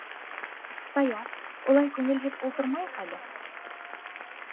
Саяф, улай күңелһеҙ ултырмайыҡ әле?!